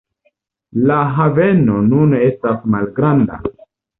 La haveno nun estas malgranda.